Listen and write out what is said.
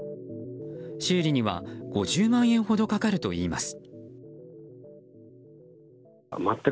修理には５０万円ほどかかるといいます。